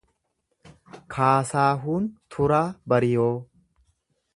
Kaasaahuun Turaa Bariyoo